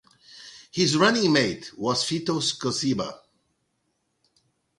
His running mate was Fetus Kosiba.